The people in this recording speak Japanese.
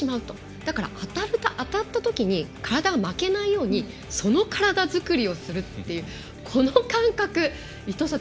だから当たったときに体が負けないようにその体作りをするっていうこの感覚、伊藤さん